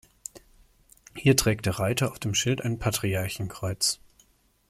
Hier trägt der Reiter auf dem Schild ein Patriarchenkreuz.